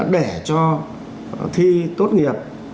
để cho thi tốt nghiệp